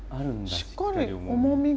しっかり重みが。